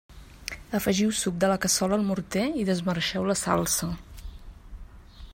Afegiu suc de la cassola al morter i desmarxeu la salsa.